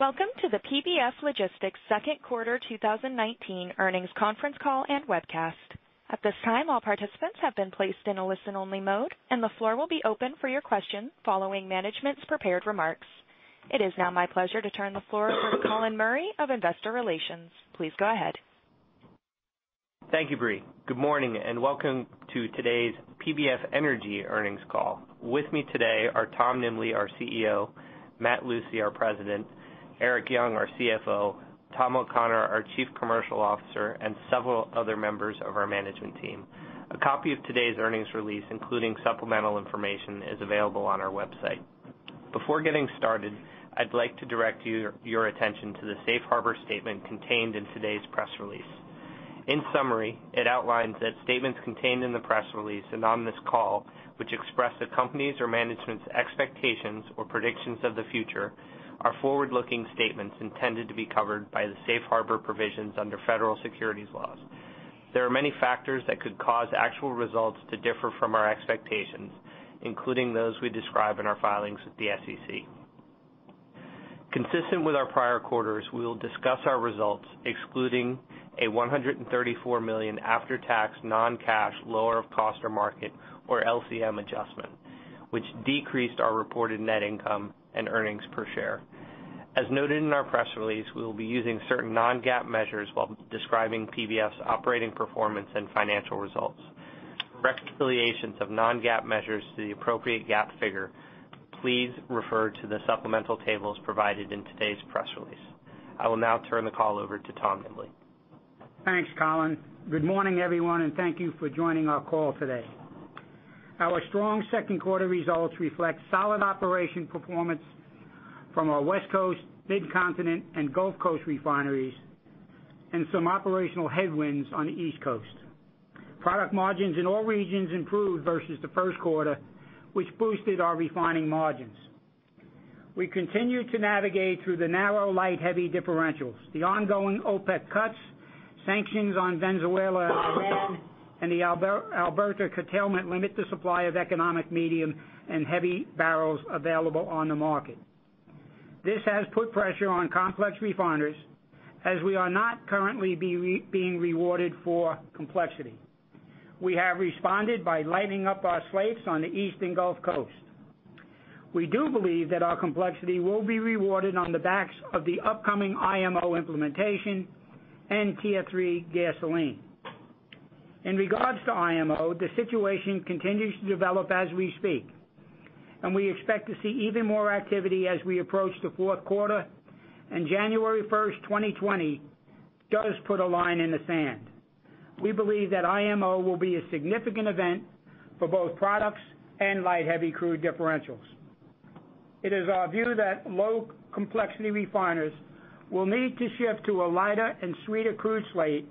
Welcome to the PBF Logistics second quarter 2019 earnings conference call and webcast. At this time, all participants have been placed in a listen-only mode, and the floor will be open for your questions following management's prepared remarks. It is now my pleasure to turn the floor over to Colin Murray of Investor Relations. Please go ahead. Thank you, Brie. Good morning and welcome to today's PBF Energy earnings call. With me today are Tom Nimbley, our CEO; Matt Lucey, our President; Erik Young, our CFO; Tom O'Connor, our Chief Commercial Officer; and several other members of our management team. A copy of today's earnings release, including supplemental information, is available on our website. Before getting started, I'd like to direct your attention to the safe harbor statement contained in today's press release. In summary, it outlines that statements contained in the press release and on this call, which express the company's or management's expectations or predictions of the future, are forward-looking statements intended to be covered by the safe harbor provisions under federal securities laws. There are many factors that could cause actual results to differ from our expectations, including those we describe in our filings with the SEC. Consistent with our prior quarters, we will discuss our results, excluding a $134 million after-tax non-cash lower of cost or market, or LCM adjustment, which decreased our reported net income and earnings per share. As noted in our press release, we will be using certain non-GAAP measures while describing PBF's operating performance and financial results. For reconciliations of non-GAAP measures to the appropriate GAAP figure, please refer to the supplemental tables provided in today's press release. I will now turn the call over to Tom Nimbley. Thanks, Colin. Good morning, everyone, and thank you for joining our call today. Our strong second quarter results reflect solid operation performance from our West Coast, Mid-Continent, and Gulf Coast refineries, and some operational headwinds on the East Coast. Product margins in all regions improved versus the first quarter, which boosted our refining margins. We continue to navigate through the narrow light, heavy differentials. The ongoing OPEC cuts, sanctions on Venezuela and Iran, and the Alberta curtailment limit the supply of economic medium and heavy barrels available on the market. This has put pressure on complex refiners, as we are not currently being rewarded for complexity. We have responded by lighting up our slates on the East and Gulf Coast. We do believe that our complexity will be rewarded on the backs of the upcoming IMO implementation and Tier 3 gasoline. In regards to IMO, the situation continues to develop as we speak, and we expect to see even more activity as we approach the fourth quarter, and January 1st, 2020 does put a line in the sand. We believe that IMO will be a significant event for both products and light, heavy crude differentials. It is our view that low complexity refiners will need to shift to a lighter and sweeter crude slate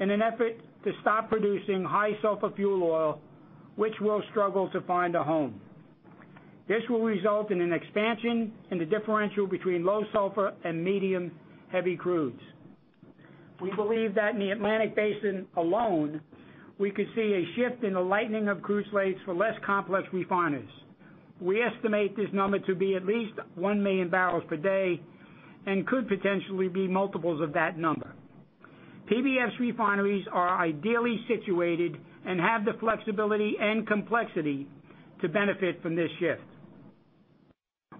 in an effort to stop producing high-sulfur fuel oil, which will struggle to find a home. This will result in an expansion in the differential between low sulfur and medium, heavy crudes. We believe that in the Atlantic Basin alone, we could see a shift in the lightening of crude slates for less complex refiners. We estimate this number to be at least 1 million barrels per day and could potentially be multiples of that number. PBF's refineries are ideally situated and have the flexibility and complexity to benefit from this shift.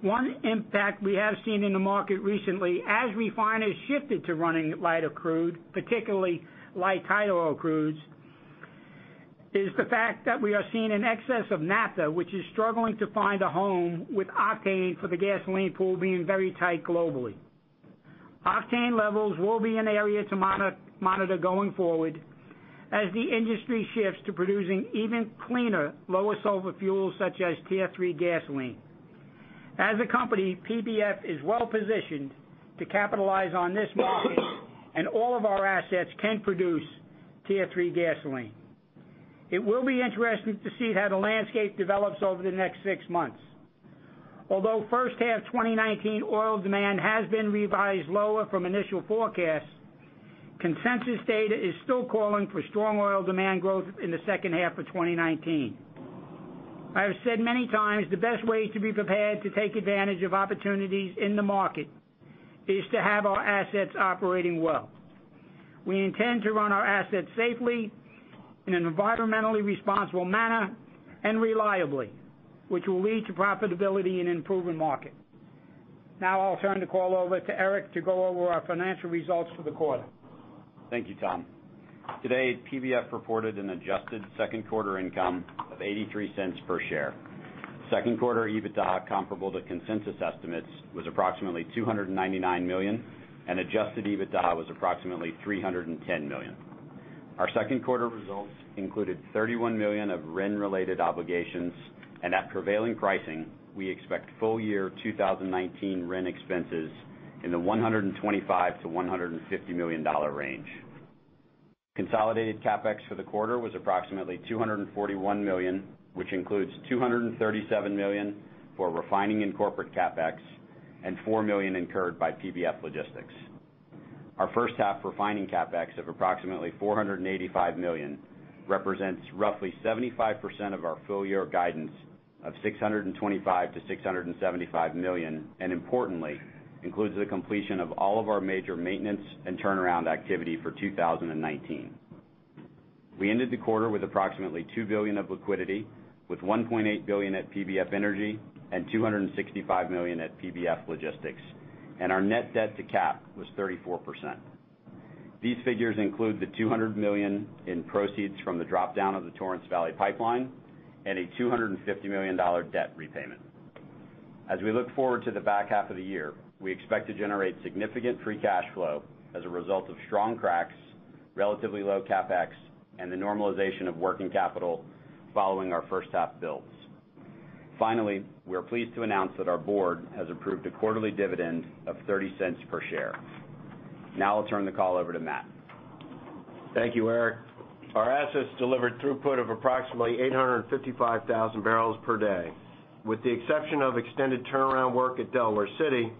One impact we have seen in the market recently as refiners shifted to running lighter crude, particularly light, tight oil crudes, is the fact that we are seeing an excess of Naphtha, which is struggling to find a home with octane for the gasoline pool being very tight globally. Octane levels will be an area to monitor going forward as the industry shifts to producing even cleaner, lower sulfur fuels such as Tier 3 gasoline. As a company, PBF is well positioned to capitalize on this market, and all of our assets can produce Tier 3 gasoline. It will be interesting to see how the landscape develops over the next six months. Although first half 2019 oil demand has been revised lower from initial forecasts, consensus data is still calling for strong oil demand growth in the second half of 2019. I have said many times, the best way to be prepared to take advantage of opportunities in the market is to have our assets operating well. We intend to run our assets safely in an environmentally responsible manner and reliably, which will lead to profitability and improving market. Now, I'll turn the call over to Erik to go over our financial results for the quarter. Thank you, Tom. Today, PBF reported an adjusted second quarter income of $0.83 per share. Second quarter EBITDA comparable to consensus estimates was approximately $299 million, and adjusted EBITDA was approximately $310 million. Our second quarter results included $31 million of RIN-related obligations, and at prevailing pricing, we expect full year 2019 RIN expenses in the $125 million-$150 million range. Consolidated CapEx for the quarter was approximately $241 million, which includes $237 million for refining and corporate CapEx and $4 million incurred by PBF Logistics. Our first half refining CapEx of approximately $485 million represents roughly 75% of our full-year guidance of $625 million-$675 million, and importantly, includes the completion of all of our major maintenance and turnaround activity for 2019. We ended the quarter with approximately $2 billion of liquidity, with $1.8 billion at PBF Energy and $265 million at PBF Logistics, and our net debt to cap was 34%. These figures include the $200 million in proceeds from the drop-down of the Torrance Valley Pipeline and a $250 million debt repayment. As we look forward to the back half of the year, we expect to generate significant free cash flow as a result of strong cracks, relatively low CapEx, and the normalization of working capital following our first half builds. Finally, we are pleased to announce that our board has approved a quarterly dividend of $0.30 per share. I'll turn the call over to Matt. Thank you, Erik. Our assets delivered throughput of approximately 855,000 barrels per day. With the exception of extended turnaround work at Delaware City,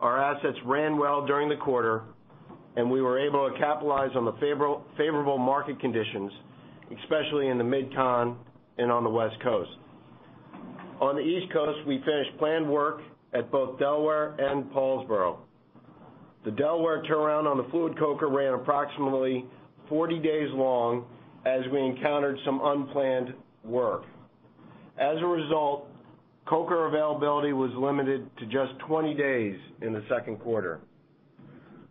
our assets ran well during the quarter, and we were able to capitalize on the favorable market conditions, especially in the Mid-Con and on the West Coast. On the East Coast, we finished planned work at both Delaware and Paulsboro. The Delaware turnaround on the fluid coker ran approximately 40 days long as we encountered some unplanned work. As a result, coker availability was limited to just 20 days in the second quarter.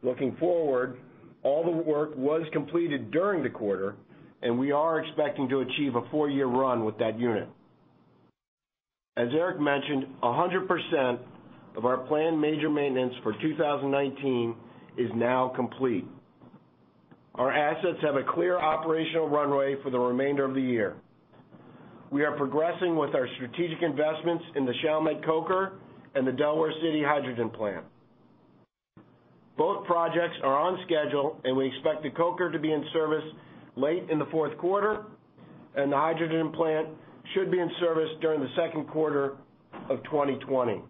Looking forward, all the work was completed during the quarter, and we are expecting to achieve a four-year run with that unit. As Erik mentioned, 100% of our planned major maintenance for 2019 is now complete. Our assets have a clear operational runway for the remainder of the year. We are progressing with our strategic investments in the Chalmette coker and the Delaware City hydrogen plant. Both projects are on schedule, and we expect the coker to be in service late in the fourth quarter, and the hydrogen plant should be in service during the second quarter of 2020.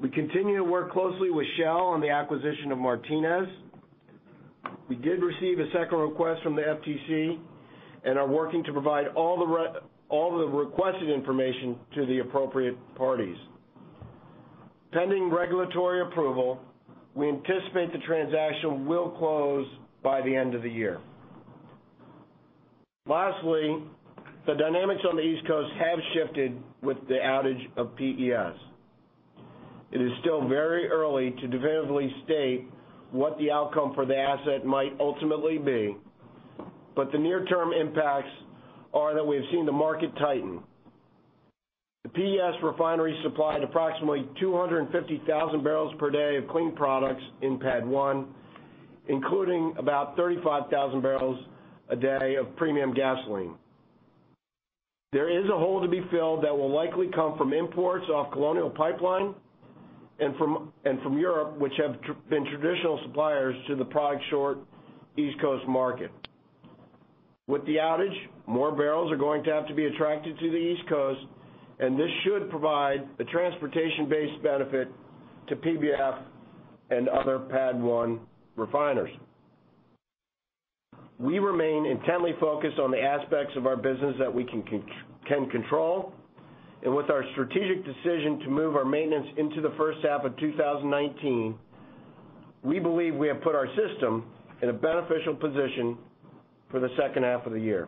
We continue to work closely with Shell on the acquisition of Martinez. We did receive a second request from the FTC and are working to provide all the requested information to the appropriate parties. Pending regulatory approval, we anticipate the transaction will close by the end of the year. Lastly, the dynamics on the East Coast have shifted with the outage of PES. It is still very early to definitively state what the outcome for the asset might ultimately be, but the near-term impacts are that we have seen the market tighten. The PES refinery supplied approximately 250,000 barrels per day of clean products in PADD 1, including about 35,000 barrels a day of premium gasoline. There is a hole to be filled that will likely come from imports off Colonial Pipeline and from Europe, which have been traditional suppliers to the product short East Coast market. With the outage, more barrels are going to have to be attracted to the East Coast, and this should provide a transportation-based benefit to PBF and other PADD 1 refiners. We remain intently focused on the aspects of our business that we can control. With our strategic decision to move our maintenance into the first half of 2019, we believe we have put our system in a beneficial position for the second half of the year.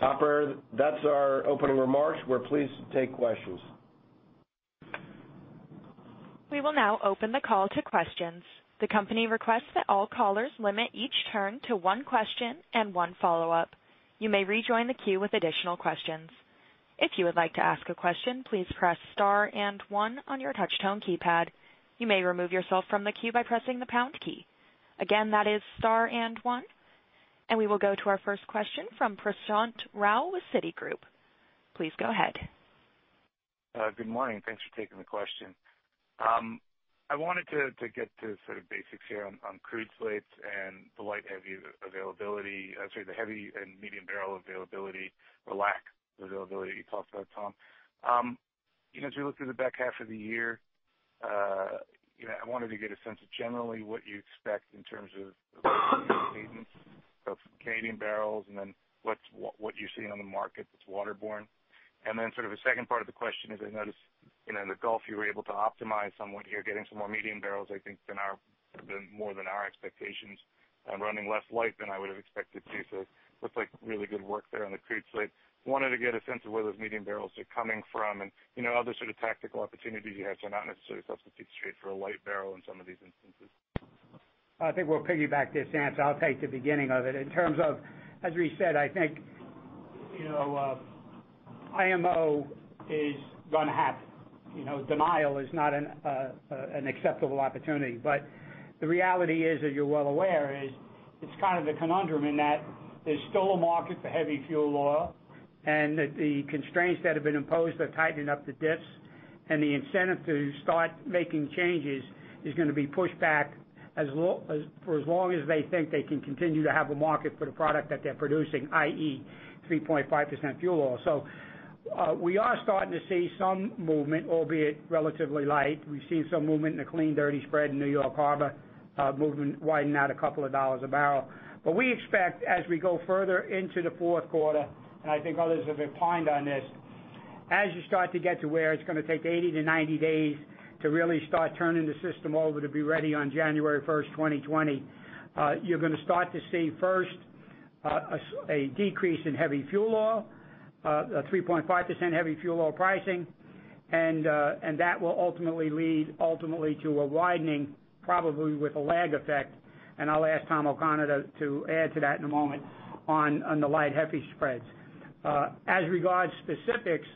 Operator, that's our opening remarks. We're pleased to take questions. We will now open the call to questions. The company requests that all callers limit each turn to one question and one follow-up. You may rejoin the queue with additional questions. If you would like to ask a question, please press star 1 on your touch tone keypad. You may remove yourself from the queue by pressing the pound key. Again, that is star 1. We will go to our first question from Prashant Rao with Citigroup. Please go ahead. Good morning. Thanks for taking the question. I wanted to get to sort of basics here on crude slates and the heavy and medium barrel availability, or lack of availability you talked about, Tom. As we look through the back half of the year, I wanted to get a sense of generally what you expect in terms of the cadence of Canadian barrels, and then what you're seeing on the market that's waterborne. Sort of a second part of the question is, I noticed in the Gulf, you were able to optimize somewhat here, getting some more medium barrels, I think more than our expectations, and running less light than I would have expected to. Looks like really good work there on the crude slate. Wanted to get a sense of where those medium barrels are coming from and other sort of tactical opportunities you have to not necessarily substitute straight for a light barrel in some of these instances. I think we'll piggyback this answer. I'll take the beginning of it. In terms of, as we said, I think IMO is gonna happen. Denial is not an acceptable opportunity. The reality is, as you're well aware, is it's kind of the conundrum in that there's still a market for heavy fuel oil, and the constraints that have been imposed are tightening up the dists, and the incentive to start making changes is gonna be pushed back as long as they think they can continue to have a market for the product that they're producing, i.e., 3.5% fuel oil. We are starting to see some movement, albeit relatively light. We've seen some movement in the clean dirty spread in New York Harbor, movement widen out a couple of dollars a barrel. We expect as we go further into the fourth quarter, and I think others have opined on this, as you start to get to where it's going to take 80 to 90 days to really start turning the system over to be ready on January 1st, 2020, you're going to start to see first, a decrease in heavy fuel oil, 3.5% heavy fuel oil pricing, and that will ultimately lead to a widening, probably with a lag effect, and I'll ask Tom O'Connor to add to that in a moment, on the light heavy spreads. As regards specifics,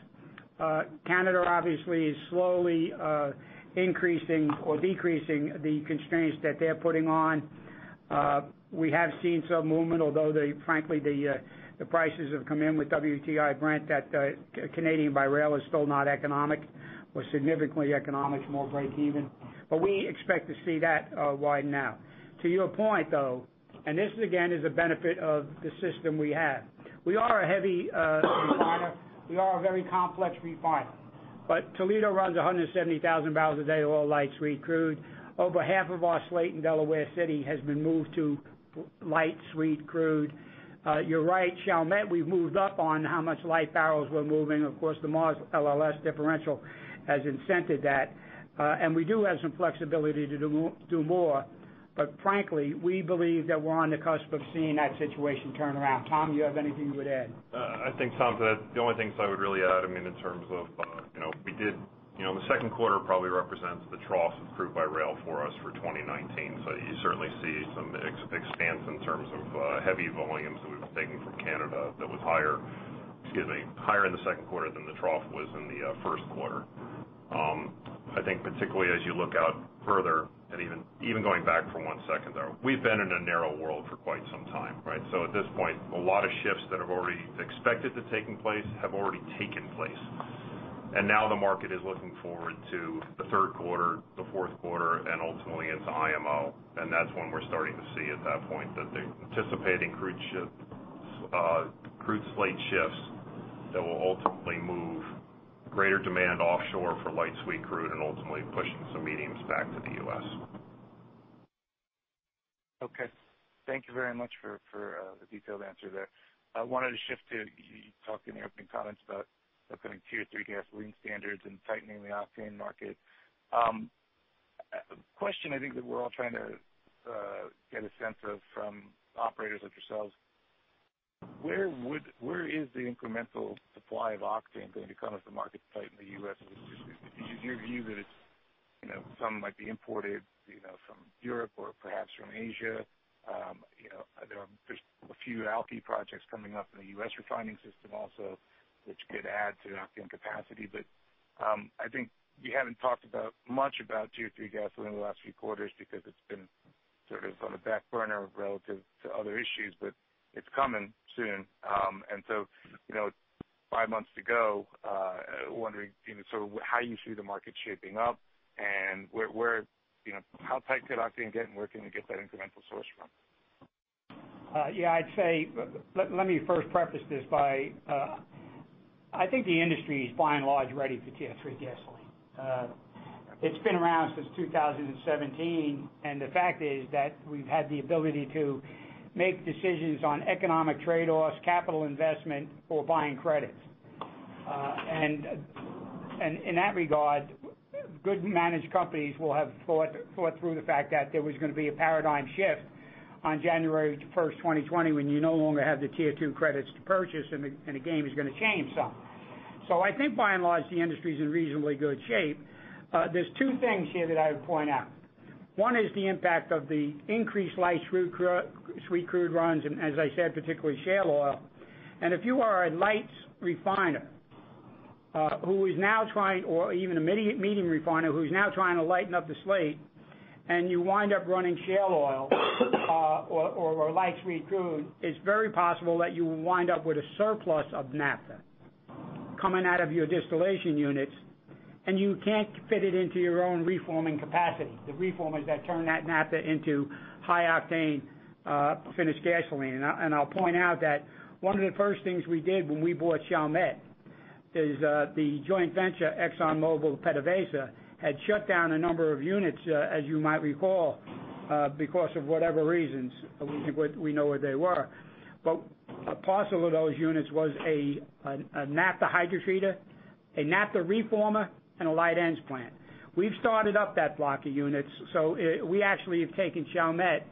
Canada obviously is slowly increasing or decreasing the constraints that they're putting on. We have seen some movement, although frankly, the prices have come in with WTI Brent that, Canadian by rail is still not economic or significantly economic, more breakeven. We expect to see that widen out. To your point, though, this, again, is a benefit of the system we have. We are a heavy refiner. We are a very complex refiner. Toledo runs 170,000 barrels a day, all light sweet crude. Over half of our slate in Delaware City has been moved to light sweet crude. You're right, Chalmette, we've moved up on how much light barrels we're moving. Of course, the Mars LLS differential has incented that. We do have some flexibility to do more. Frankly, we believe that we're on the cusp of seeing that situation turn around. Tom, you have anything you would add? I think, Tom, the only things I would really add, in terms of the second quarter probably represents the trough of crude by rail for us for 2019. You certainly see some expanse in terms of heavy volumes that we've taken from Canada that was higher in the second quarter than the trough was in the first quarter. I think particularly as you look out further and even going back for one second, though, we've been in a narrow world for quite some time, right? At this point, a lot of shifts that have already expected to have taken place have already taken place, and now the market is looking forward to the third quarter, the fourth quarter, and ultimately into IMO. That's when we're starting to see at that point that the anticipating crude slate shifts that will ultimately move greater demand offshore for light sweet crude and ultimately pushing some mediums back to the U.S. Okay. Thank you very much for the detailed answer there. I wanted to shift to, you talked in the opening comments about upcoming Tier 3 gasoline standards and tightening the octane market. Question I think that we're all trying to get a sense of from operators like yourselves, where is the incremental supply of octane going to come as the market tight in the U.S.? Is your view that some might be imported from Europe or perhaps from Asia? There's a few alky projects coming up in the U.S. refining system also, which could add to octane capacity. I think you haven't talked much about Tier 3 gasoline in the last few quarters because it's been sort of on the back burner relative to other issues, but it's coming soon. Five months to go, wondering how you see the market shaping up and how tight could octane get, and where can we get that incremental source from? Let me first preface this by, I think the industry is by and large, ready for Tier 3 gasoline. It's been around since 2017, and the fact is that we've had the ability to make decisions on economic trade-offs, capital investment, or buying credits. In that regard, good managed companies will have thought through the fact that there was going to be a paradigm shift on January 1st, 2020, when you no longer have the Tier 2 credits to purchase and the game is going to change some. I think by and large, the industry's in reasonably good shape. There's two things here that I would point out. One is the impact of the increased light sweet crude runs, and as I said, particularly shale oil. If you are a light refiner, or even a medium refiner who's now trying to lighten up the slate and you wind up running shale oil or light sweet crude, it's very possible that you will wind up with a surplus of naphtha coming out of your distillation units, and you can't fit it into your own reforming capacity. The reformers that turn that naphtha into high octane finished gasoline. I'll point out that one of the first things we did when we bought Chalmette is, the joint venture ExxonMobil PDVSA had shut down a number of units, as you might recall, because of whatever reasons. We know what they were. A parcel of those units was a naphtha hydrotreater, a naphtha reformer, and a light ends plant. We've started up that block of units. We actually have taken Chalmette.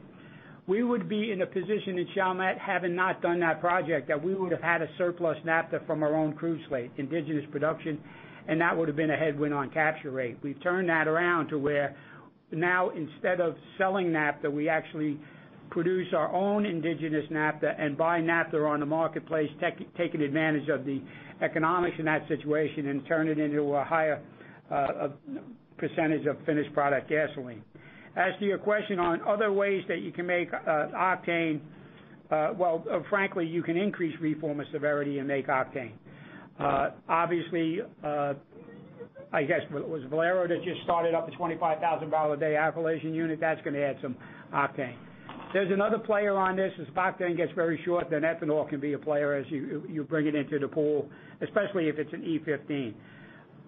We would be in a position in Chalmette having not done that project, that we would have had a surplus naphtha from our own crude slate, indigenous production, and that would've been a headwind on capture rate. We've turned that around to where now instead of selling naphtha, we actually produce our own indigenous naphtha and buy naphtha on the marketplace, taking advantage of the economics in that situation and turn it into a higher percentage of finished product gasoline. As to your question on other ways that you can make octane, well, frankly, you can increase reformer severity and make octane. Obviously-I guess, was it Valero that just started up a 25,000 a day alkylation unit? That's going to add some octane. There's another player on this. As octane gets very short, then ethanol can be a player as you bring it into the pool, especially if it's an E15.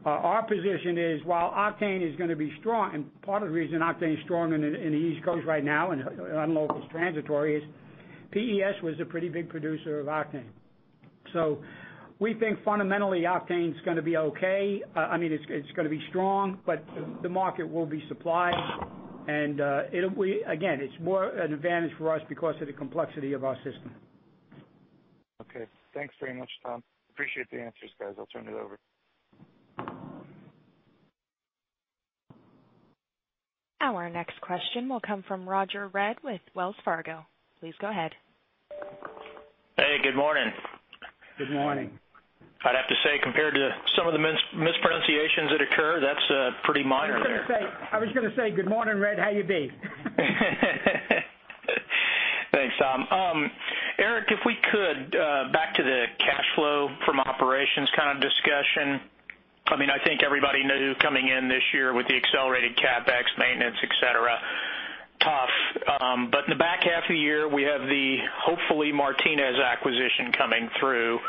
Our position is, while octane is going to be strong, and part of the reason octane is strong in the East Coast right now and on local transitory is PES was a pretty big producer of octane. We think fundamentally octane's going to be okay. It's going to be strong, but the market will be supplied and, again, it's more an advantage for us because of the complexity of our system. Okay. Thanks very much, Tom. Appreciate the answers, guys. I'll turn it over. Our next question will come from Roger Read with Wells Fargo. Please go ahead. Hey, good morning. Good morning. I'd have to say, compared to some of the mispronunciations that occur, that's pretty minor there. I was going to say good morning, Read. How you be? Thanks, Tom. Erik, if we could, back to the cash flow from operations kind of discussion. I think everybody knew coming in this year with the accelerated CapEx, maintenance, et cetera, tough. In the back half of the year, we have the hopefully Martinez acquisition coming through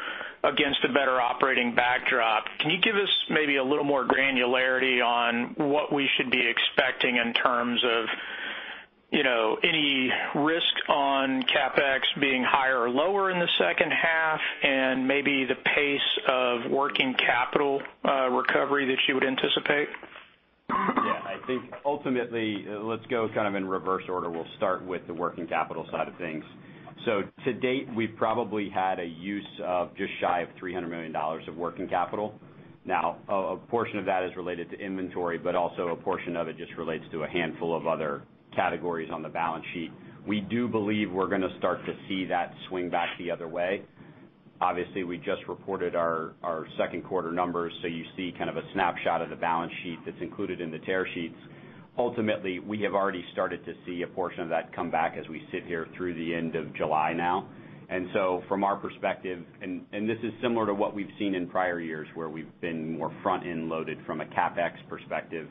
against a better operating backdrop. Can you give us maybe a little more granularity on what we should be expecting in terms of any risk on CapEx being higher or lower in the second half and maybe the pace of working capital recovery that you would anticipate? Yeah, I think ultimately, let's go in reverse order. We'll start with the working capital side of things. To date, we've probably had a use of just shy of $300 million of working capital. A portion of that is related to inventory, but also a portion of it just relates to a handful of other categories on the balance sheet. We do believe we're going to start to see that swing back the other way. We just reported our second quarter numbers, so you see a snapshot of the balance sheet that's included in the tear sheets. We have already started to see a portion of that come back as we sit here through the end of July now. From our perspective, and this is similar to what we've seen in prior years, where we've been more front-end loaded from a CapEx perspective,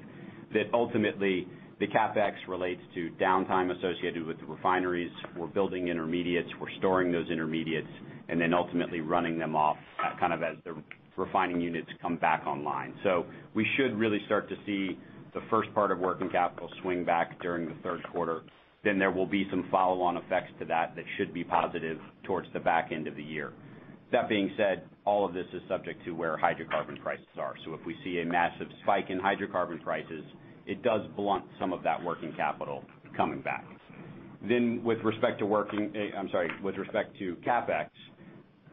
that ultimately the CapEx relates to downtime associated with the refineries. We're building intermediates, we're storing those intermediates, and then ultimately running them off as the refining units come back online. We should really start to see the first part of working capital swing back during the third quarter. There will be some follow-on effects to that that should be positive towards the back end of the year. That being said, all of this is subject to where hydrocarbon prices are. If we see a massive spike in hydrocarbon prices, it does blunt some of that working capital coming back. With respect to CapEx,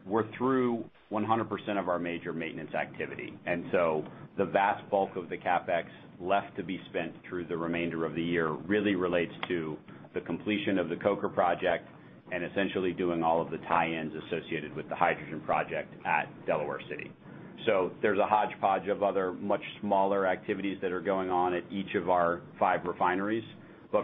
we're through 100% of our major maintenance activity, and so the vast bulk of the CapEx left to be spent through the remainder of the year really relates to the completion of the coker project and essentially doing all of the tie-ins associated with the hydrogen project at Delaware City. There's a hodgepodge of other much smaller activities that are going on at each of our five refineries.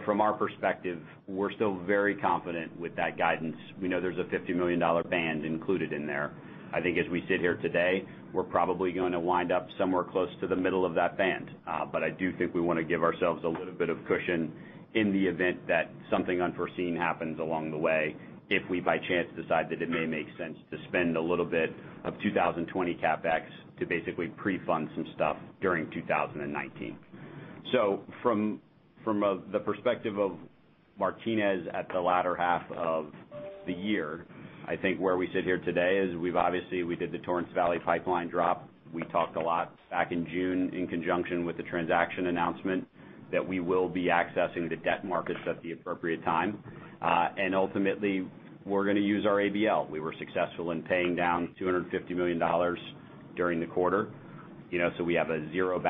From our perspective, we're still very confident with that guidance. We know there's a $50 million band included in there. I think as we sit here today, we're probably going to wind up somewhere close to the middle of that band. I do think we want to give ourselves a little bit of cushion in the event that something unforeseen happens along the way if we by chance decide that it may make sense to spend a little bit of 2020 CapEx to basically pre-fund some stuff during 2019. From the perspective of Martinez at the latter half of the year, I think where we sit here today is we've obviously, we did the Torrance Valley Pipeline drop. We talked a lot back in June in conjunction with the transaction announcement that we will be accessing the debt markets at the appropriate time. Ultimately, we're going to use our ABL. We were successful in paying down $250 million during the quarter, so we have a zero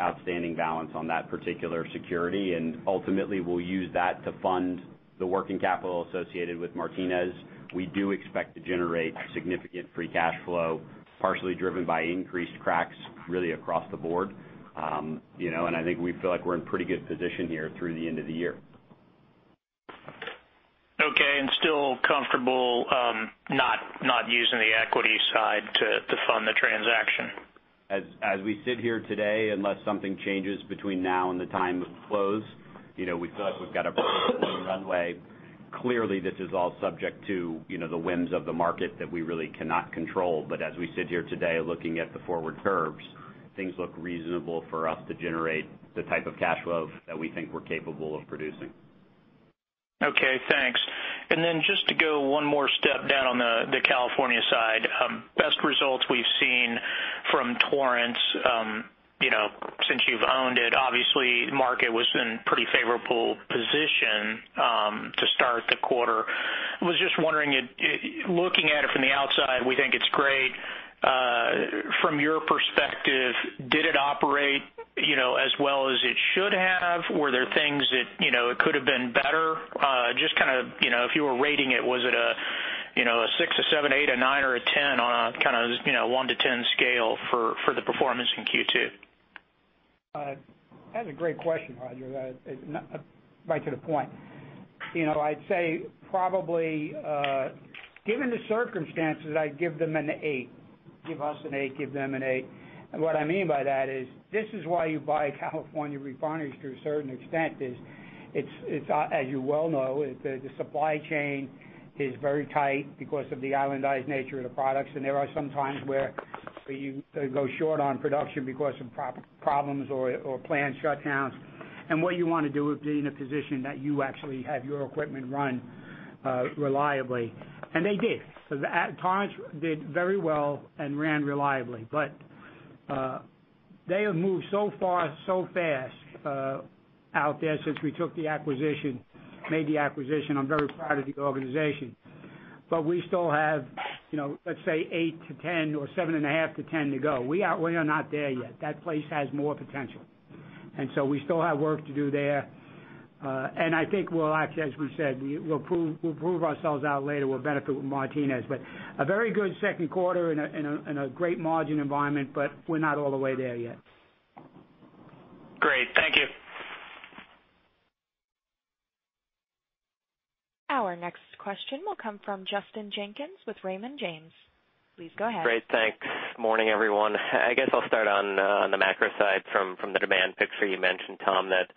outstanding balance on that particular security, and ultimately, we'll use that to fund the working capital associated with Martinez. We do expect to generate significant free cash flow, partially driven by increased cracks really across the board. I think we feel like we're in pretty good position here through the end of the year. Okay, still comfortable not using the equity side to fund the transaction? As we sit here today, unless something changes between now and the time of close, we feel like we've got a pretty good runway. Clearly, this is all subject to the whims of the market that we really cannot control. As we sit here today looking at the forward curves, things look reasonable for us to generate the type of cash flow that we think we're capable of producing. Okay, thanks. Then just to go one more step down on the California side. Best results we've seen from Torrance since you've owned it. Obviously, market was in pretty favorable position to start the quarter. Was just wondering, looking at it from the outside, we think it's great. From your perspective, did it operate as well as it should have? Were there things that could have been better? If you were rating it, was it a six, a seven, eight, a nine, or a 10 on a one to 10 scale for the performance in Q2? That's a great question, Roger. Right to the point. I'd say probably, given the circumstances, I'd give them an eight. Give us an eight, give them an eight. What I mean by that is, this is why you buy California Refineries to a certain extent, is it's, as you well know, the supply chain is very tight because of the islandized nature of the products, and there are some times where you go short on production because of problems or plant shutdowns. What you want to do is be in a position that you actually have your equipment run reliably. They did. Torrance did very well and ran reliably. They have moved so far, so fast out there since we took the acquisition, made the acquisition. I'm very proud of the organization. We still have, let's say, 8-10 or 7.5-10 to go. We are not there yet. That place has more potential. We still have work to do there. I think we'll actually, as we said, we'll prove ourselves out later. We'll benefit with Martinez, but a very good second quarter and a great margin environment, but we're not all the way there yet. Great. Thank you. Our next question will come from Justin Jenkins with Raymond James. Please go ahead. Great. Thanks. Morning, everyone. I guess I'll start on the macro side from the demand picture. You mentioned, Tom, that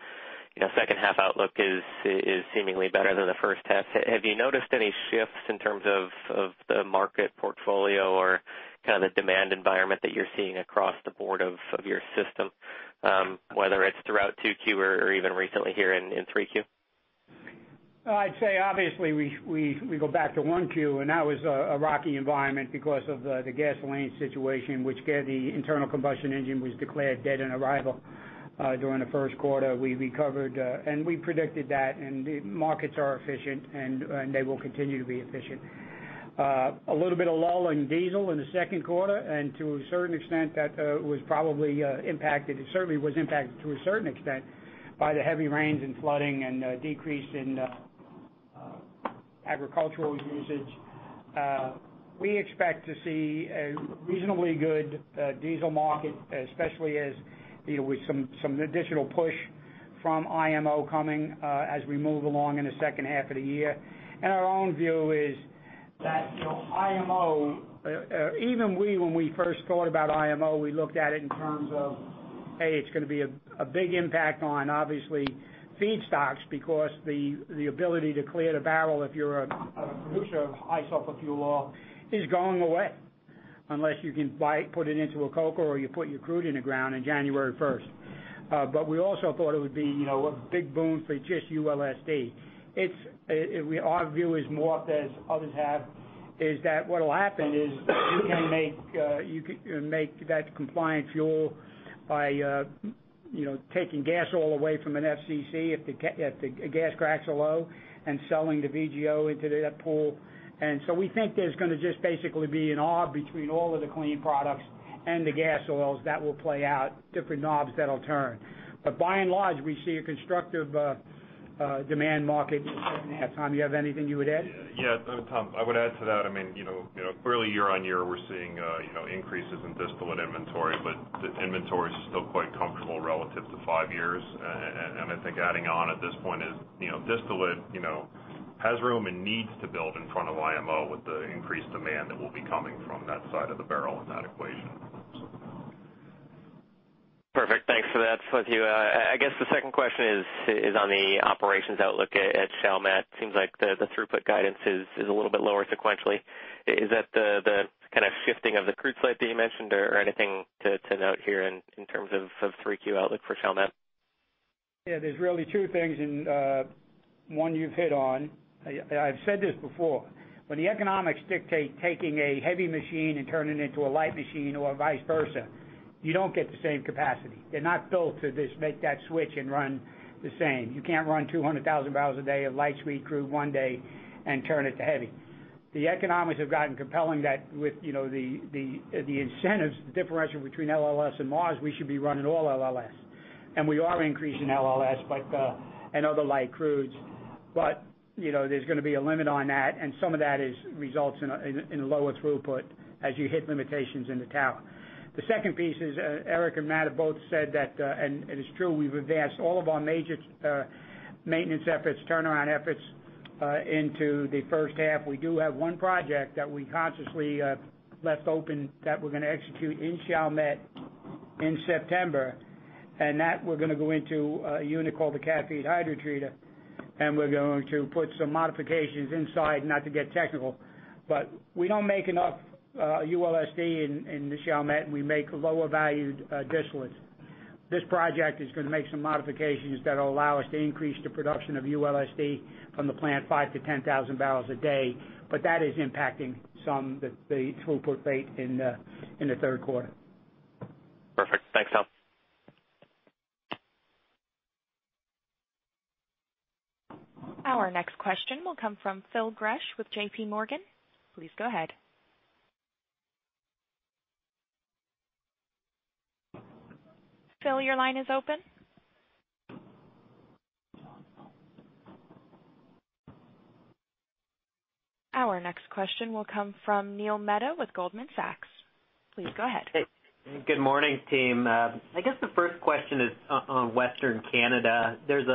second half outlook is seemingly better than the first half. Have you noticed any shifts in terms of the market portfolio or kind of the demand environment that you're seeing across the board of your system, whether it's throughout 2Q or even recently here in 3Q? I'd say, obviously, we go back to 1Q, that was a rocky environment because of the gasoline situation, which gave the internal combustion engine was declared dead on arrival during the first quarter. We recovered, we predicted that, the markets are efficient, they will continue to be efficient. A little bit of lull in diesel in the second quarter, to a certain extent, that was probably impacted. It certainly was impacted to a certain extent by the heavy rains and flooding and decrease in agricultural usage. We expect to see a reasonably good diesel market, especially as with some additional push from IMO coming as we move along in the second half of the year. Our own view is that IMO, even we, when we first thought about IMO, we looked at it in terms of, A, it's going to be a big impact on, obviously, feedstocks because the ability to clear the barrel, if you're a producer of high-sulfur fuel oil, is going away, unless you can buy it, put it into a coker, or you put your crude in the ground in January 1st. We also thought it would be a big boom for just ULSD. Our view is more as others have, is that what'll happen is you can make that compliant fuel by taking gas oil away from an FCC if the gas cracks are low and selling the VGO into that pool. We think there's going to just basically be an arb between all of the clean products and the gas oils that will play out, different knobs that'll turn. By and large, we see a constructive demand market in the second half. Tom, you have anything you would add? Yes. Tom, I would add to that. Clearly year-on-year, we're seeing increases in distillate inventory, but the inventory is still quite comfortable relative to five years. I think adding on at this point is, distillate has room and needs to build in front of IMO with the increased demand that will be coming from that side of the barrel in that equation. Perfect. Thanks for that. I guess the second question is on the operations outlook at Chalmette. Seems like the throughput guidance is a little bit lower sequentially. Is that the kind of shifting of the crude slate that you mentioned or anything to note here in terms of 3Q outlook for Chalmette? Yeah, there's really two things and one you've hit on. I've said this before. When the economics dictate taking a heavy machine and turning it into a light machine or vice versa, you don't get the same capacity. They're not built to just make that switch and run the same. You can't run 200,000 barrels a day of light sweet crude one day and turn it to heavy. The economics have gotten compelling that with the incentives, the differential between LLS and Mars, we should be running all LLS. We are increasing LLS and other light crudes. There's going to be a limit on that, and some of that results in lower throughput as you hit limitations in the tower. The second piece is, Erik and Matt have both said that, and it is true, we've advanced all of our major maintenance efforts, turnaround efforts into the first half. We do have one project that we consciously left open that we're going to execute in Chalmette in September, and that we're going to go into a unit called the Cat Feed Hydrotreater, and we're going to put some modifications inside. Not to get technical, but we don't make enough ULSD in the Chalmette, and we make lower valued distillates. This project is going to make some modifications that'll allow us to increase the production of ULSD from the plant 5-10,000 barrels a day. That is impacting some of the throughput rate in the third quarter. Perfect. Thanks, Tom. Our next question will come from Phil Gresh with JPMorgan. Please go ahead. Phil, your line is open. Our next question will come from Neil Mehta with Goldman Sachs. Please go ahead. Good morning, team. I guess the first question is on Western Canada. There's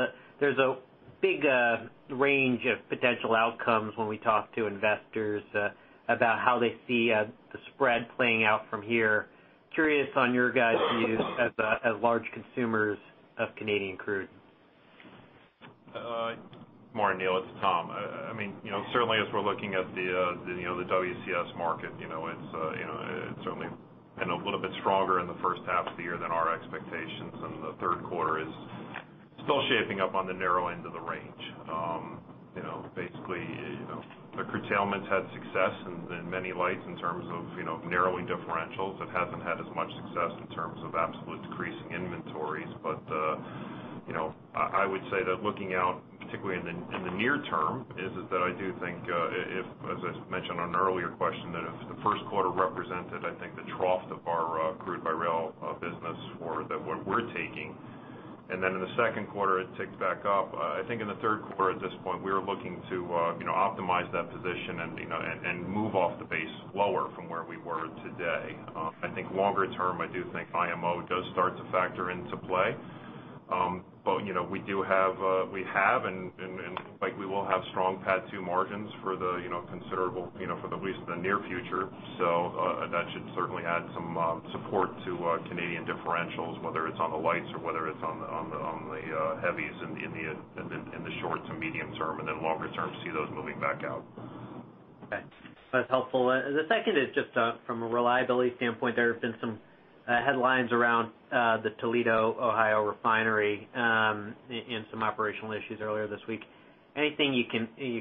a big range of potential outcomes when we talk to investors about how they see the spread playing out from here. Curious on your guys' views as large consumers of Canadian crude. Morning, Neil, it's Tom. Certainly as we're looking at the WCS market, it's certainly been a little bit stronger in the first half of the year than our expectations, and the third quarter is still shaping up on the narrow end of the range. Basically, the curtailment's had success in many lights in terms of narrowing differentials. It hasn't had as much success in terms of absolute decreasing inventories. I would say that looking out, particularly in the near term, is that I do think, as I mentioned on an earlier question, that if the first quarter represented, I think, the trough of our crude-by-rail business for what we're taking, and then in the second quarter, it ticks back up. I think in the third quarter, at this point, we are looking to optimize that position and move off the base lower from where we were today. I think longer term, I do think IMO does start to factor into play. We have and look like we will have strong pad 2 margins for the least of the near future. That should certainly add some support to Canadian differentials, whether it's on the lights or whether it's on the heavies in the short to medium term. Longer term, see those moving back out. Okay. That's helpful. The second is just from a reliability standpoint. There have been some headlines around the Toledo, Ohio refinery, and some operational issues earlier this week. Anything you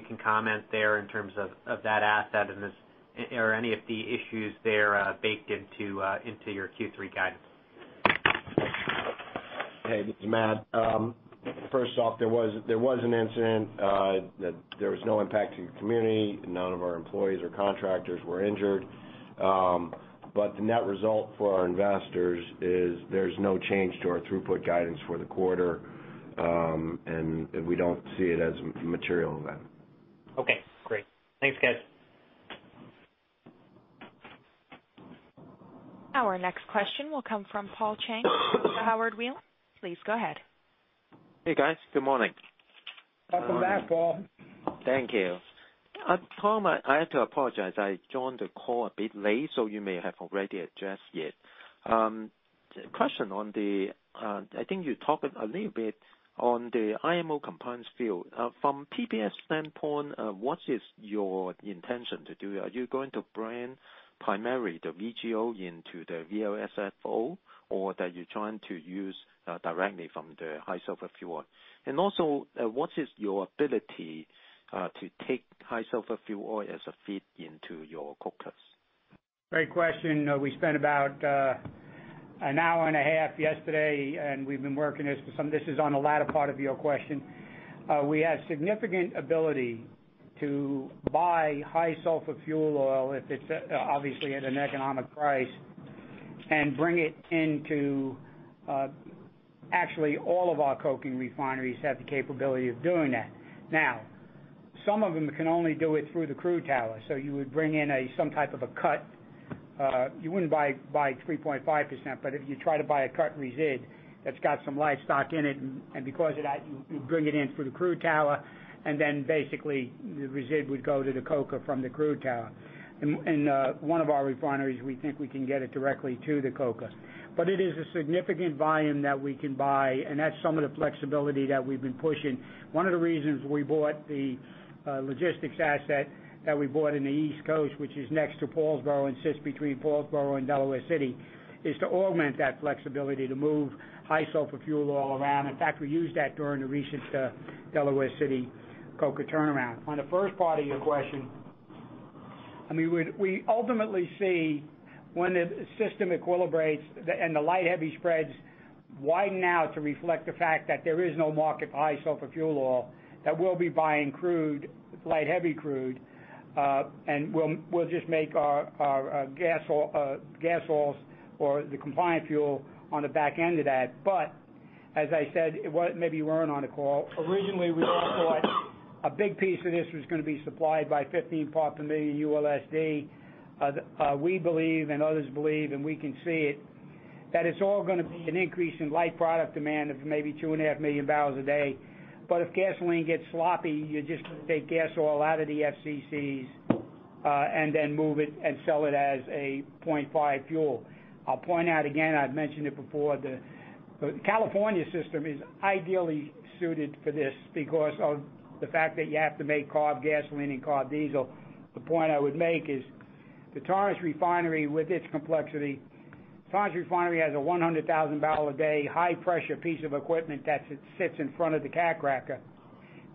can comment there in terms of that asset, and are any of the issues there baked into your Q3 guidance? Hey, this is Matt. First off, there was an incident that there was no impact to the community, and none of our employees or contractors were injured. The net result for our investors is there's no change to our throughput guidance for the quarter, and we don't see it as a material event. Okay, great. Thanks, guys. Our next question will come from Paul Cheng with Howard Weil. Please go ahead. Hey, guys. Good morning. Welcome back, Paul. Thank you. Tom, I have to apologize. I joined the call a bit late. You may have already addressed it. I think you talked a little bit on the IMO compliance field. From PBF standpoint, what is your intention to do? Are you going to bring primarily the VGO into the VLSFO, or that you're trying to use directly from the high sulfur fuel oil? Also, what is your ability to take high sulfur fuel oil as a feed into your cokers? Great question. We spent about an hour and a half yesterday, and we've been working this. This is on the latter part of your question. We have significant ability to buy high-sulfur fuel oil if it's obviously at an economic price. All of our coking refineries have the capability of doing that. Some of them can only do it through the crude tower. You would bring in some type of a cut. You wouldn't buy 3.5%, but if you try to buy a cut resid that's got some lube stock in it, and because of that, you bring it in through the crude tower, basically, the resid would go to the coker from the crude tower. In one of our refineries, we think we can get it directly to the coker. It is a significant volume that we can buy, and that's some of the flexibility that we've been pushing. One of the reasons we bought the logistics asset that we bought in the East Coast, which is next to Paulsboro and sits between Paulsboro and Delaware City, is to augment that flexibility to move high-sulfur fuel oil around. In fact, we used that during the recent Delaware City coker turnaround. On the first part of your question, we ultimately see when the system equilibrates and the light heavy spreads widen out to reflect the fact that there is no market for high-sulfur fuel oil, that we'll be buying light heavy crude, and we'll just make our gas oils or the compliant fuel on the back end of that. As I said, maybe you weren't on the call. Originally, we all thought a big piece of this was going to be supplied by 15 part per million ULSD. We believe, and others believe, and we can see it, that it's all going to be an increase in light product demand of maybe 2.5 million barrels a day. If gasoline gets sloppy, you just take gas oil out of the FCCs, and then move it and sell it as a 0.5 fuel. I'll point out again, I've mentioned it before, the California system is ideally suited for this because of the fact that you have to make CARB gasoline and CARB diesel. The point I would make is the Torrance Refinery, with its complexity, Torrance Refinery has a 100,000-barrel-a-day high-pressure piece of equipment that sits in front of the cat cracker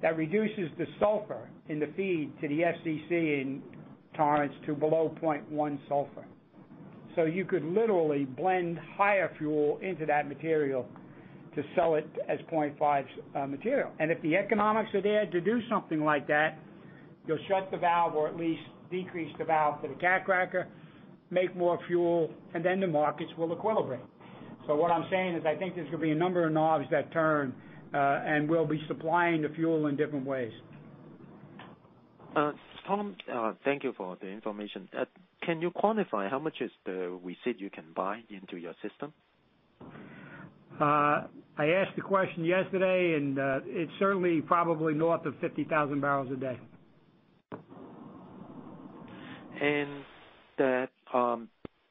that reduces the sulfur in the feed to the FCC in Torrance to below 0.1 sulfur. You could literally blend higher fuel into that material to sell it as 0.5 material. If the economics are there to do something like that, you'll shut the valve or at least decrease the valve to the cat cracker, make more fuel, and then the markets will equilibrate. What I'm saying is, I think there's going to be a number of knobs that turn, and we'll be supplying the fuel in different ways. Tom, thank you for the information. Can you quantify how much is the receipt you can buy into your system? I asked the question yesterday, and it's certainly probably north of 50,000 barrels a day.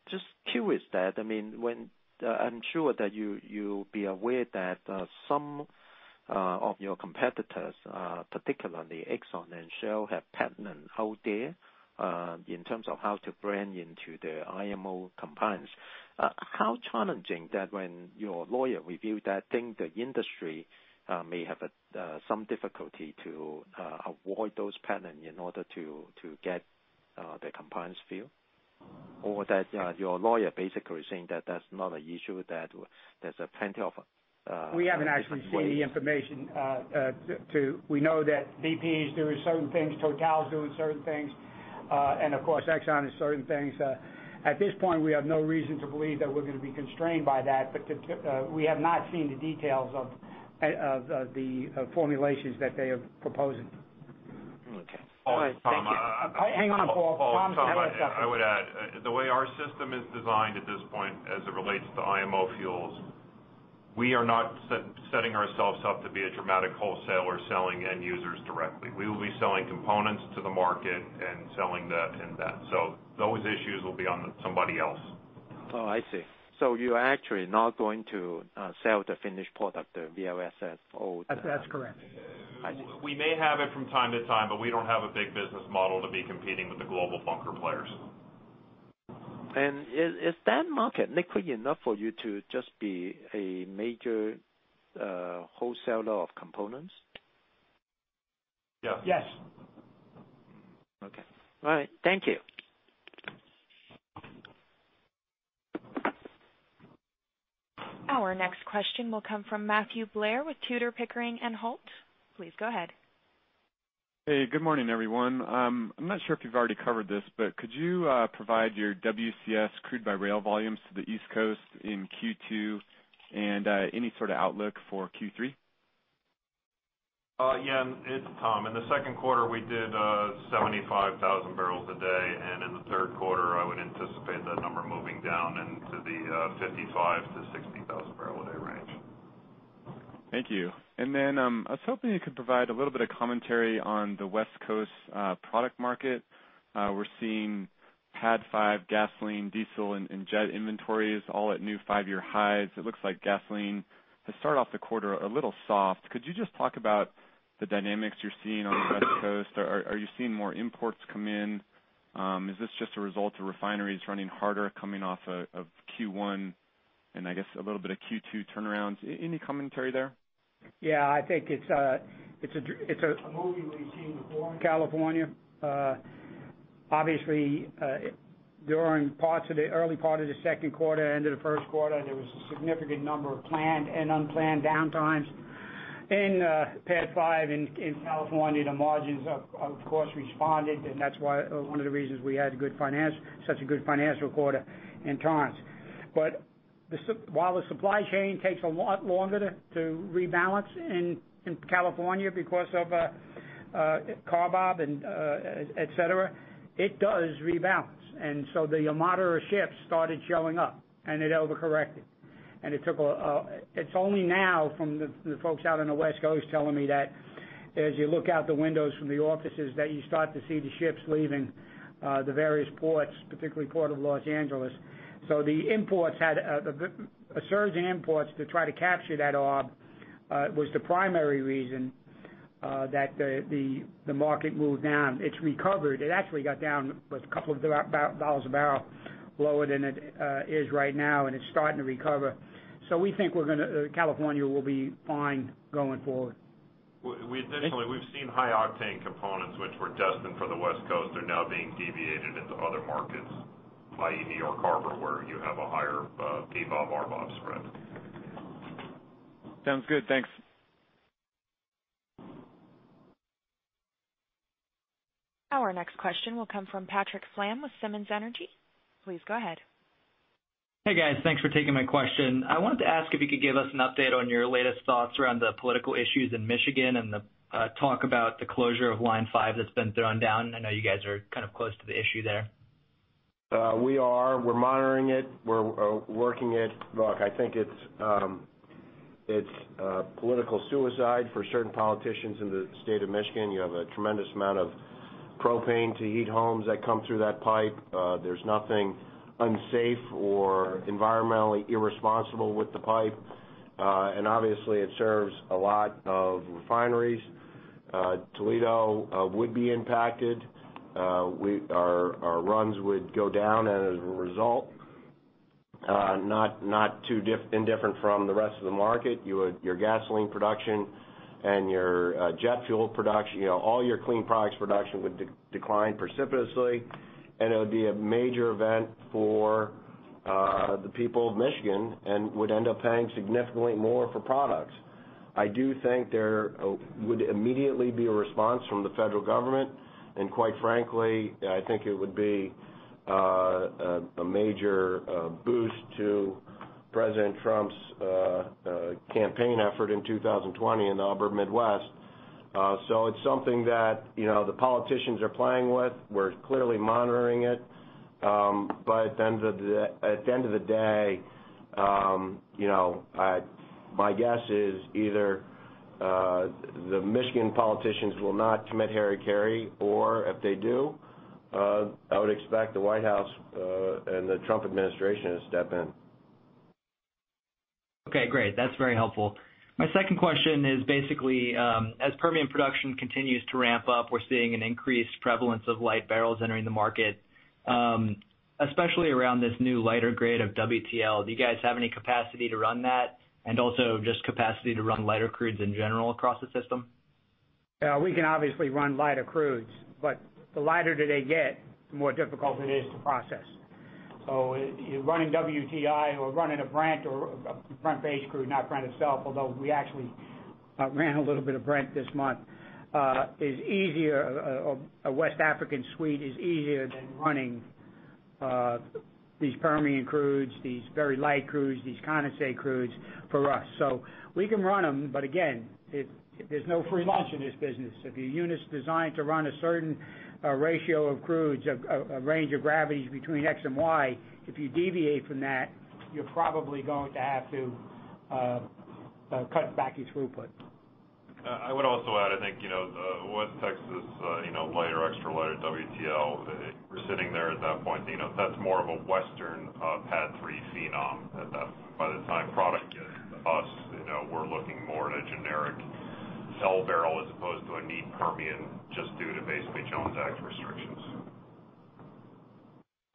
Just curious that, I'm sure that you'll be aware that some of your competitors, particularly Exxon and Shell, have patent and hold there, in terms of how to bring into the IMO compliance. How challenging that when your lawyer review that thing, the industry may have some difficulty to avoid those patent in order to get the compliance fuel? That your lawyer basically saying that that's not a issue, that there's plenty of- We haven't actually seen the information. We know that BP is doing certain things, Total's doing certain things, and of course, Exxon is certain things. At this point, we have no reason to believe that we're going to be constrained by that, but we have not seen the details of the formulations that they are proposing. Okay. Tom- Hang on, Paul. Tom's got something. I would add, the way our system is designed at this point as it relates to IMO fuels, we are not setting ourselves up to be a dramatic wholesaler selling end users directly. We will be selling components to the market and selling that in that. Those issues will be on somebody else. Oh, I see. You're actually not going to sell the finished product, the VLS? That's correct. I see. We may have it from time to time, but we don't have a big business model to be competing with the global bunker players. Is that market liquid enough for you to just be a major wholesaler of components? Yeah. Yes. Okay. All right. Thank you. Our next question will come from Matthew Blair with Tudor, Pickering, and Holt. Please go ahead. Hey, good morning, everyone. I'm not sure if you've already covered this. Could you provide your WCS crude by rail volumes to the East Coast in Q2 and any sort of outlook for Q3? Yeah. It's Tom. In the second quarter, we did 75,000 barrels a day, and in the third quarter, I would anticipate that number moving down into the 55,000 barrel a day-60,000 barrel a day range. Thank you. I was hoping you could provide a little bit of commentary on the West Coast product market. We're seeing PAD 5 gasoline, diesel, and jet inventories all at new five-year highs. It looks like gasoline has started off the quarter a little soft. Could you just talk about the dynamics you're seeing on the West Coast? Are you seeing more imports come in? Is this just a result of refineries running harder coming off of Q1 and I guess a little bit of Q2 turnarounds? Any commentary there? Yeah, I think it's a movie we've seen before in California. Obviously, during early part of the second quarter, end of the first quarter, there was a significant number of planned and unplanned downtimes in PADD 5 in California. The margins, of course, responded, and that's one of the reasons we had such a good financial quarter in Torrance. While the supply chain takes a lot longer to rebalance in California because of CARB arb and et cetera, it does rebalance. The motor ships started showing up, and it overcorrected. It's only now from the folks out on the West Coast telling me that as you look out the windows from the offices, that you start to see the ships leaving the various ports, particularly Port of Los Angeles. A surge in imports to try to capture that arb, was the primary reason that the market moved down. It's recovered. It actually got down a couple of dollars a barrel lower than it is right now, and it's starting to recover. We think California will be fine going forward. Additionally, we've seen high octane components, which were destined for the West Coast, are now being deviated into other markets, i.e., New York Harbor, where you have a higher PBOB/RBOB spread. Sounds good. Thanks. Our next question will come from Blake Fernandez with Simmons Energy. Please go ahead. Hey, guys. Thanks for taking my question. I wanted to ask if you could give us an update on your latest thoughts around the political issues in Michigan and the talk about the closure of Line 5 that's been thrown down. I know you guys are close to the issue there. We are. We're monitoring it. We're working it. Look, I think it's political suicide for certain politicians in the state of Michigan. You have a tremendous amount of propane to heat homes that come through that pipe. There's nothing unsafe or environmentally irresponsible with the pipe. Obviously, it serves a lot of refineries. Toledo would be impacted. Our runs would go down as a result. Not too indifferent from the rest of the market. Your gasoline production and your jet fuel production, all your clean products production would decline precipitously, and it would be a major event for the people of Michigan and would end up paying significantly more for products. I do think there would immediately be a response from the federal government, and quite frankly, I think it would be a major boost to President Trump's campaign effort in 2020 in the upper Midwest. It's something that the politicians are playing with. We're clearly monitoring it. At the end of the day, my guess is either the Michigan politicians will not commit hara-kiri, or if they do, I would expect the White House, and the Trump administration to step in. Okay, great. That's very helpful. My second question is basically, as Permian production continues to ramp up, we're seeing an increased prevalence of light barrels entering the market, especially around this new lighter grade of WTL. Do you guys have any capacity to run that? Also just capacity to run lighter crudes in general across the system? We can obviously run lighter crudes, but the lighter that they get, the more difficult it is to process. Running WTI or running a Brent or a Brent-based crude, not Brent itself, although we actually ran a little bit of Brent this month, is easier. A West African suite is easier than running these Permian crudes, these very light crudes, these condensate crudes for us. We can run them. Again, there's no free lunch in this business. If your unit's designed to run a certain ratio of crudes, a range of gravities between X and Y, if you deviate from that, you're probably going to have to cut back your throughput. I would also add, I think, West Texas lighter, extra lighter WTL, if we're sitting there at that point, that's more of a Western PADD 3 phenom. By the time product gets to us, we're looking more at a generic sell barrel as opposed to a neat Permian, just due to basically Jones Act restrictions.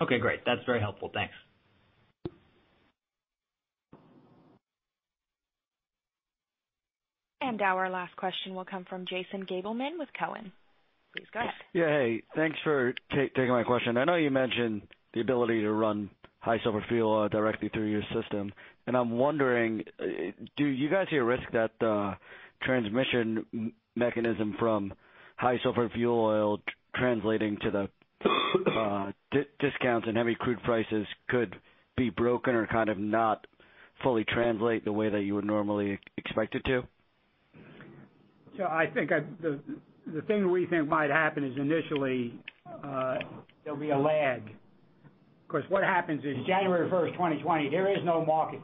Okay, great. That's very helpful. Thanks. Our last question will come from Jason Gabelman with Cowen. Please go ahead. Yeah. Hey, thanks for taking my question. I know you mentioned the ability to run high-sulfur fuel oil directly through your system, and I'm wondering, do you guys see a risk that the transmission mechanism from high-sulfur fuel oil translating to the discounts in heavy crude prices could be broken or kind of not fully translate the way that you would normally expect it to? I think the thing we think might happen is initially, there'll be a lag. What happens is January 1st, 2020, there is no market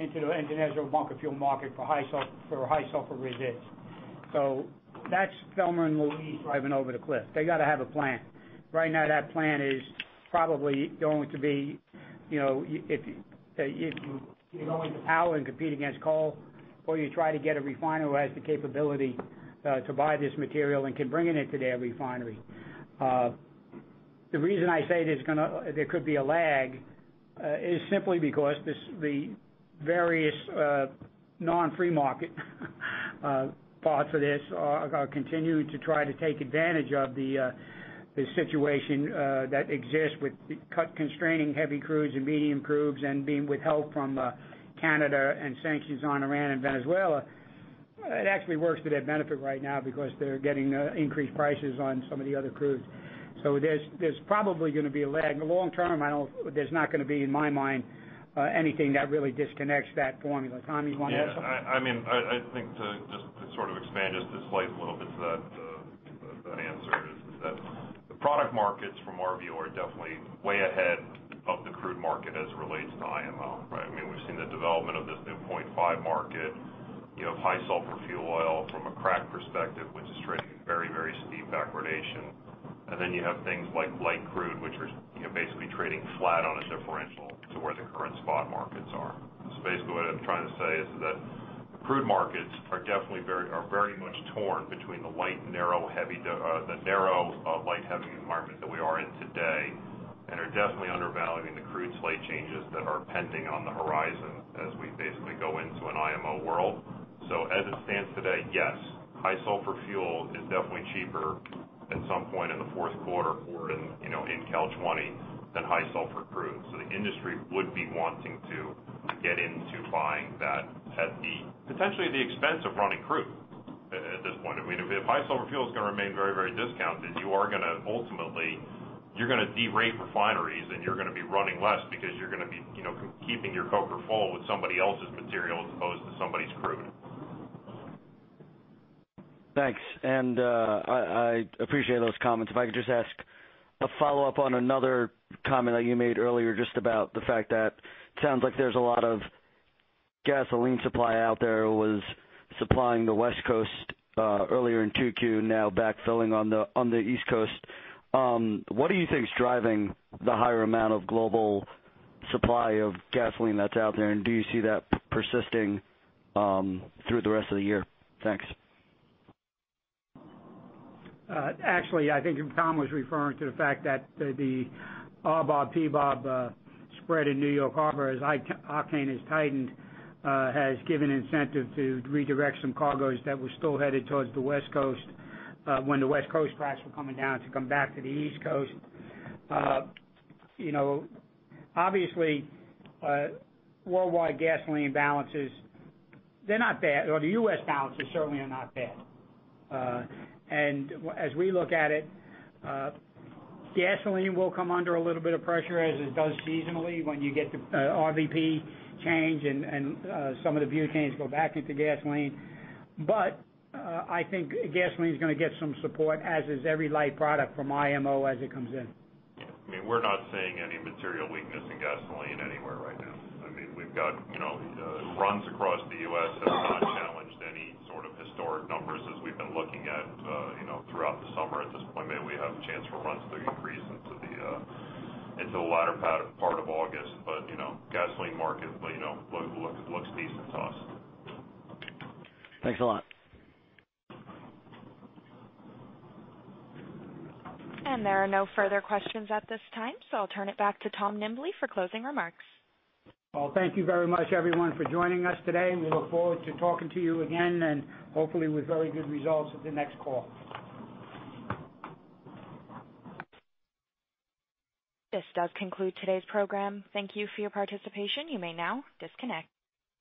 into the international bunker fuel market for high-sulfur resid. That's Thelma and Louise driving over the cliff. They got to have a plan. Right now, that plan is probably going to be, if you go into power and compete against coal, or you try to get a refiner who has the capability to buy this material and can bring it into their refinery. The reason I say there could be a lag is simply because the various non-free market parts of this are continuing to try to take advantage of the situation that exists with constraining heavy crudes and medium crudes and being withheld from Canada and sanctions on Iran and Venezuela. It actually works to their benefit right now because they're getting increased prices on some of the other crudes. There's probably going to be a lag. In the long term, there's not going to be, in my mind, anything that really disconnects that formula. Tom, you want to add something? Yeah. I think to sort of expand, just to slice a little bit to that answer is that the product markets from our view are definitely way ahead of the crude market as it relates to IMO, right? We've seen the development of this new 0.5% market, high-sulfur fuel oil from a crack perspective, which is trading very, very steep backwardation. You have things like light crude, which are basically trading flat on a differential to where the current spot markets are. What I'm trying to say is that the crude markets are very much torn between the narrow light heavy environment that we are in today and are definitely undervaluing the crude slate changes that are pending on the horizon as we basically go into an IMO world. As it stands today, yes, high-sulfur fuel is definitely cheaper at some point in the fourth quarter or in cal '20 than high sulfur crude. The industry would be wanting to get into buying that at potentially the expense of running crude at this point. If high-sulfur fuel is going to remain very, very discounted, you are going to ultimately derate refineries, and you're going to be running less because you're going to be keeping your coker full with somebody else's material as opposed to somebody's crude. Thanks. I appreciate those comments. If I could just ask a follow-up on another comment that you made earlier, just about the fact that it sounds like there's a lot of gasoline supply out there that was supplying the West Coast earlier in 2Q, now backfilling on the East Coast. What do you think is driving the higher amount of global supply of gasoline that's out there, and do you see that persisting through the rest of the year? Thanks. Actually, I think Tom was referring to the fact that the RBOB, PBOB spread in New York Harbor as octane has tightened, has given incentive to redirect some cargoes that were still headed towards the West Coast when the West Coast cracks were coming down to come back to the East Coast. Obviously, worldwide gasoline balances, they're not bad, or the U.S. balances certainly are not bad. As we look at it, gasoline will come under a little bit of pressure, as it does seasonally when you get the RVP change and some of the butanes go back into gasoline. I think gasoline's going to get some support, as is every light product from IMO as it comes in. Yeah. We're not seeing any material weakness in gasoline anywhere right now. We've got runs across the U.S. that have not challenged any sort of historic numbers as we've been looking at throughout the summer. At this point, maybe we have a chance for runs to increase into the latter part of August. Gasoline market looks decent to us. Okay. Thanks a lot. There are no further questions at this time. I'll turn it back to Tom Nimbley for closing remarks. Thank you very much, everyone, for joining us today. We look forward to talking to you again and hopefully with very good results at the next call. This does conclude today's program. Thank you for your participation. You may now disconnect.